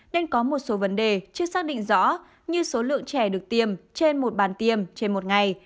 nên có một số vấn đề chưa xác định rõ như số lượng trẻ được tiêm trên một bàn tiêm trên một ngày